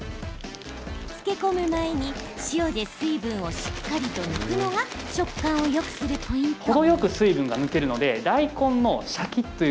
漬け込む前に塩で水分をしっかりと抜くのが食感をよくするポイント。